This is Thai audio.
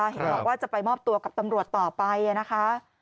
เห็นบอกว่าจะไปมอบตัวกับตำรวจต่อไปนะคะ